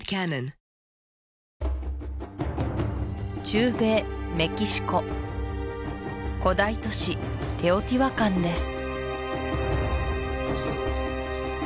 中米メキシコ古代都市テオティワカンです